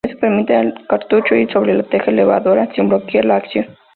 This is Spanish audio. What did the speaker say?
Esto permite al cartucho ir sobre la teja elevadora sin bloquear la acción.